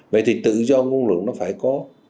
vậy thì tự do nguồn luận nó phải có